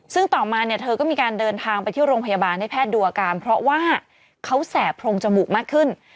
ซึ่งต่อมาเนี่ยเธอก็มีการเดินทางไปที่โรงพยาบาลให้แพทย์ดูอาการเพราะว่าเขาแสบโพรงจมูกมากขึ้น